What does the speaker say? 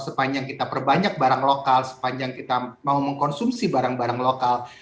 sepanjang kita perbanyak barang lokal sepanjang kita mau mengkonsumsi barang barang lokal